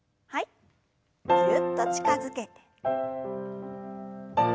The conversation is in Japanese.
ぎゅっと近づけて。